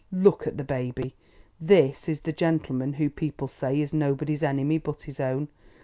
"Look at the baby! This is the gentleman who, people say, is nobody's enemy but his own.